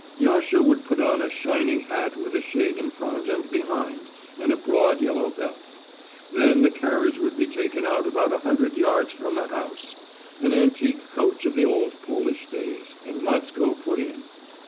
Yasha would put on a shining hat with a shade in front and behind, and a broad yellow belt. Then the carriage would be taken out about a hundred yards from the house an antique coach of the old Polish days and Matsko put in.